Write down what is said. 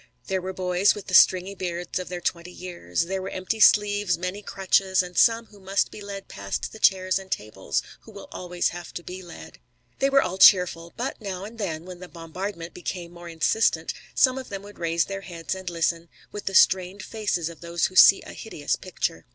There were boys with the stringy beards of their twenty years. There were empty sleeves, many crutches, and some who must be led past the chairs and tables who will always have to be led. They were all cheerful. But now and then, when the bombardment became more insistent, some of them would raise their heads and listen, with the strained faces of those who see a hideous picture.